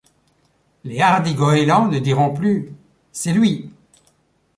Les hardis goëlands ne diront plus: — C’est lui!